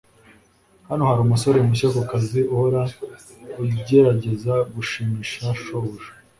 Hano hari umusore mushya kukazi uhora ugerageza gushimisha shobuja